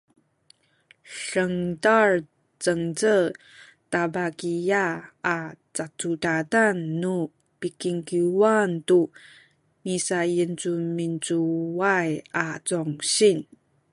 dengtal Cengce tabakiaya a cacudadan nu pikingkiwan tu misayincumincuay a congsin